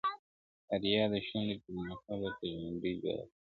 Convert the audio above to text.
o رپا د سونډو دي زما قبر ته جنډۍ جوړه كړه.